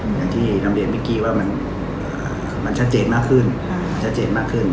อย่างที่นำเรียนเมื่อกี้ว่ามันชัดเจนมากขึ้นชัดเจนมากขึ้น